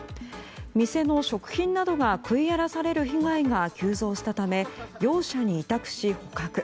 店の食品などが食い荒らされる被害が急増したため業者に委託し、捕獲。